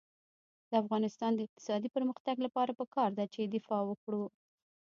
د افغانستان د اقتصادي پرمختګ لپاره پکار ده چې دفاع وکړو.